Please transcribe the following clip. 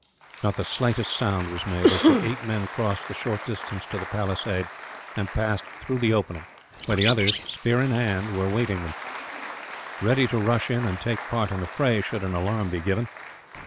Not the slightest sound was made, as the eight men crossed the short distance to the palisade and passed through the opening where the others, spear in hand, were awaiting them; ready to rush in and take part in the fray, should an alarm be given.